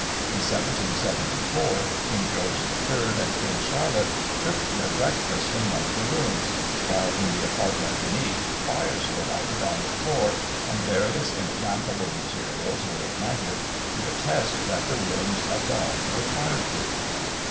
In 1774, King George the Third and Queen Charlotte took their breakfast in one of the rooms; while in the apartment beneath, fires were lighted on the floor, and various inflammable materials were ignited, to attest that the rooms above were fire proof.